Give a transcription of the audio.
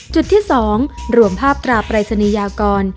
จุดที่๒รวมภาพตราปรายศนียากร